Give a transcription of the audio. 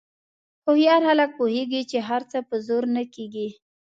هوښیار خلک پوهېږي چې هر څه په زور نه کېږي.